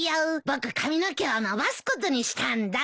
僕髪の毛を伸ばすことにしたんだ。